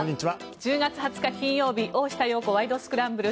１０月２０日、金曜日「大下容子ワイド！スクランブル」。